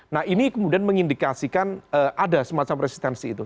nah ini kemudian mengindikasikan ada semacam resistensi itu